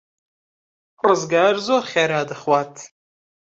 ڕزگار زۆر خێرا دەخوات.